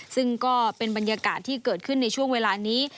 ซึ่งก็เป็นบรรยากาศที่เกิดขึ้นในช่วงเวลานี้